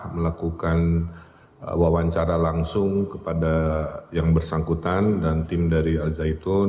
melakukan wawancara langsung kepada yang bersangkutan dan tim dari al zaitun